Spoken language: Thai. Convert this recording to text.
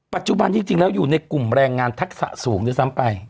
ปัจจุบันจริงแล้วอยู่ในกลุ่มแรงงานทักษะสูงด้วยซ้ำไป